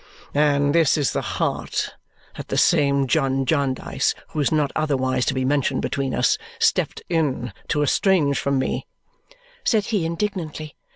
"And this is the heart that the same John Jarndyce, who is not otherwise to be mentioned between us, stepped in to estrange from me," said he indignantly.